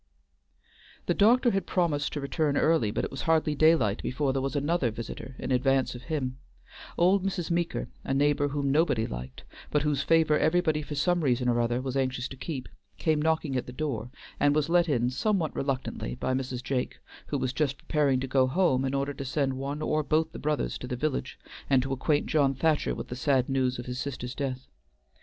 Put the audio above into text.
The doctor had promised to return early, but it was hardly daylight before there was another visitor in advance of him. Old Mrs. Meeker, a neighbor whom nobody liked, but whose favor everybody for some reason or other was anxious to keep, came knocking at the door, and was let in somewhat reluctantly by Mrs. Jake, who was just preparing to go home in order to send one or both the brothers to the village and to acquaint John Thacher with the sad news of his sister's death.